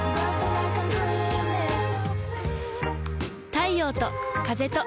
太陽と風と